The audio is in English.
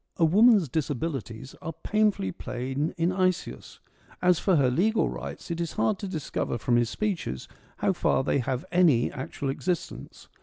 A woman's disabilities are painfully plain in Isaeus : as for her legal rights, it is hard to discover from his speeches how far they have any actual existence.